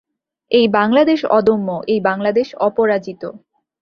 এই বাংলাদেশ অদম্য, এই বাংলাদেশ অপরাজিত ।